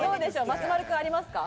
松丸君ありますか？